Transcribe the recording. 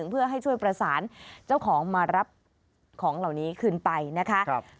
เพื่อให้ช่วยประสานเจ้าของมารับของเหล่านี้คืนไปนะคะ